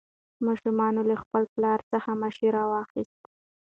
ماشوم له خپل پلار څخه مشوره واخیسته